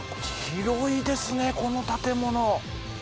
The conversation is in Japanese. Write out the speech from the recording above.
広いですねこの建物。